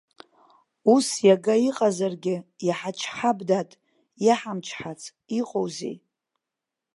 Ус иага иҟазаргьы, иҳачҳап, дад, иаҳмычҳац иҟоузеи!